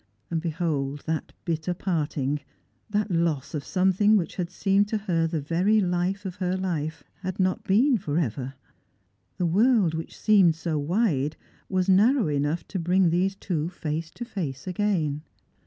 And behold, that bitter jDarting, that loss of something which had seemed to her the very life of her life, had not been for ever. The world which seemed so wide was narrow enough to bring these two face to face again.